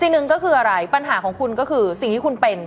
หนึ่งก็คืออะไรปัญหาของคุณก็คือสิ่งที่คุณเป็น